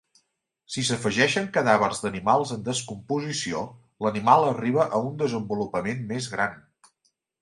Si s'afegeixen cadàvers d'animals en descomposició, l'animal arriba a un desenvolupament més gran.